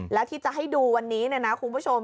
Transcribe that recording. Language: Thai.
แล้วที่จะให้ดูวันนี้เนี่ยนะคุณผู้ชม